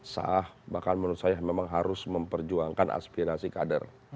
sah bahkan menurut saya memang harus memperjuangkan aspirasi kader